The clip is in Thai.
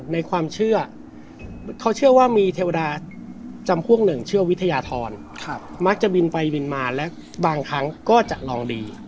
ในความเชื่อเขาเชื่อว่ามีเทวดาจำพวกหนึ่งเชื่อวิทยาธรมักจะบินไปบินมาและบางครั้งก็จะลองดี